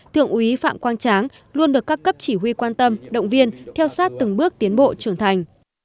thượng úy phạm quang tráng luôn được các cấp chỉ huy quan tâm động viên theo sát từng bước tiến bộ trưởng thành